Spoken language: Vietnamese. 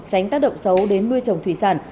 tránh tác động xấu đến nuôi trồng thủy sản